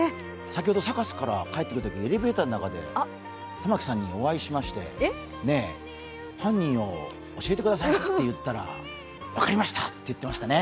先ほど、サカスから帰ってくるときに、エレベーターの中で玉木さんにお会いしまして、「犯人を教えてくださいよ」と言ったら分かりました！って言ってましたね。